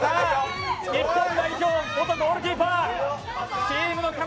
日本代表、元ゴールキーパーチームの要。